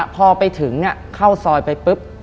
พอเข้าซอยไปปุ๊บ